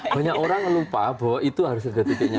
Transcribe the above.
banyak orang lupa bahwa itu harus ada titiknya